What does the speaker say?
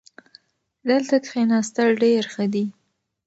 دلته کښېناستل ډېر ښه دي.